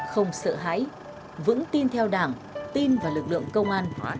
không sợ hãi vững tin theo đảng tin vào lực lượng công an